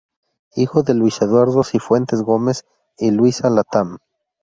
Hijo de Luis Eduardo Cifuentes Gómez y Luisa Latham.